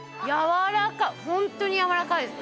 ホントにやわらかいです。